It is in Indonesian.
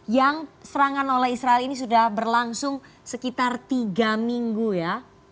yang serangan oleh israel ini sudah berlangsung sekitar tiga minggu ya